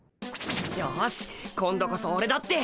よし今度こそオレだって。